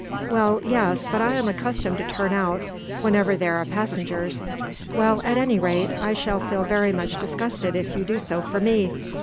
"Well, yes; but I am accustomed to turn out, whenever there are passengers." "Well, at any rate, I shall feel very much disgusted if you do so for me.